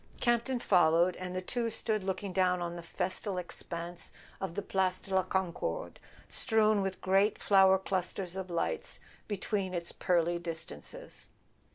Campton followed, and the two stood looking down on the festal expanse of the Place de la Concorde strown with great flower clusters of lights between its pearly distances.